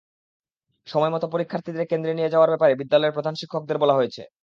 সময়মতো পরীক্ষার্থীদের কেন্দ্রে নিয়ে যাওয়ার ব্যাপারে বিদ্যালয়ের প্রধান শিক্ষকদের বলা হয়েছে।